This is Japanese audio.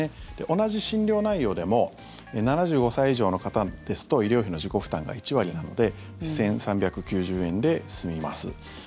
同じ診療内容でも７５歳以上の方ですと医療費の自己負担が１割なので１３９０円で済みます。